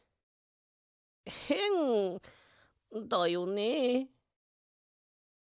へんだよね？